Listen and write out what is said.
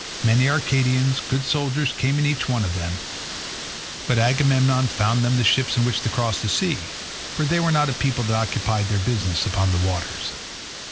Many Arcadians, good soldiers, came in each one of them, but Agamemnon found them the ships in which to cross the sea, for they were not a people that occupied their business upon the waters.